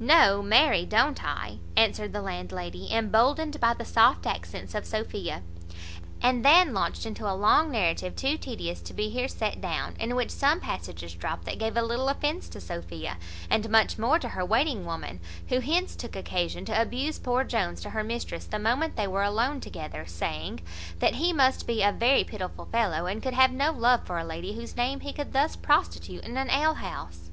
"No, marry, don't I," answered the landlady, emboldened by the soft accents of Sophia; and then launched into a long narrative too tedious to be here set down, in which some passages dropt that gave a little offence to Sophia, and much more to her waiting woman, who hence took occasion to abuse poor Jones to her mistress the moment they were alone together, saying, "that he must be a very pitiful fellow, and could have no love for a lady, whose name he would thus prostitute in an ale house."